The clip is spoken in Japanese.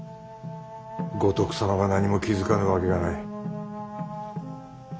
五徳様が何も気付かぬわけがない。